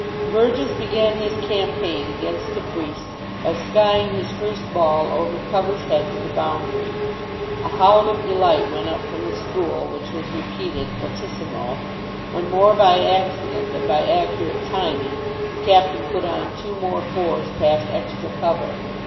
Burgess began his campaign against de Freece by skying his first ball over cover's head to the boundary. A howl of delight went up from the school, which was repeated, fortissimo, when, more by accident than by accurate timing, the captain put on two more fours past extra cover.